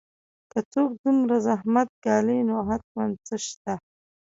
که څوک دومره زحمت ګالي نو حتماً څه شته